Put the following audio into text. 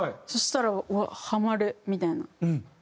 そしたらうわっハマるみたいな。